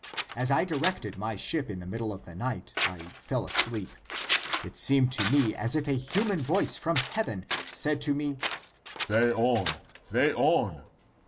As I directed my ship in the middle of the night, I fell asleep. It seemed to me as if a human voice from heaven said to me, Theon, Theon